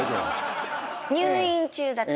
入院中だった。